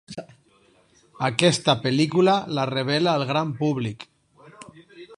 Aquesta pel·lícula la revela al gran públic.